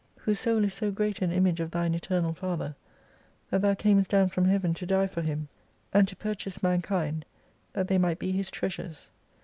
Whose soul is so great an Image of Thine Eternal Father, that Thou camest down from Heaven to die for him, and to purchase mankind that they might be His treasures.